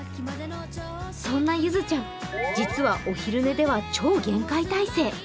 そんなゆずちゃん、実はお昼寝では超厳戒態勢。